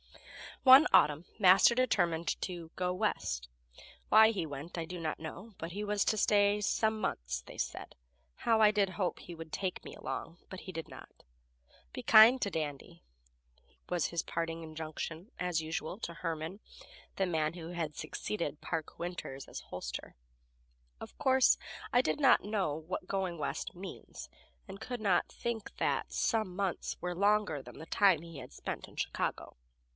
One autumn Master determined to "go West." Why he went I do not know, but he was to stay "some months," they said. How I did hope he would take me along, but he did not. "Be kind to Dandy," was his parting injunction, as usual, to Herman, the man who had succeeded Park Winters as hostler. Of course, I did not know what going West means, and could not think that "some months" were longer than the time he had spent in Chicago.